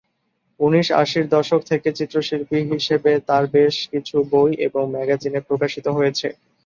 উনিশ আশির দশক থেকে চিত্রশিল্পী হিসেবে তার কাজ বেশ কিছু বই এবং ম্যাগাজিনে প্রকাশিত হয়েছে।